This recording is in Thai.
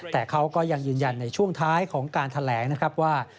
แต่เขาก็ยังยืนยันในช่วงท้ายของการแถลงนะครับว่า